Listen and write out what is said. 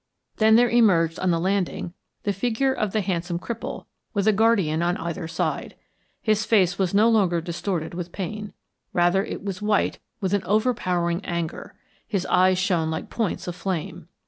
Then there emerged on the landing the figure of the handsome cripple with a guardian on either side. His face was no longer distorted with pain; rather was it white with an overpowering anger his eyes shone like points of flame.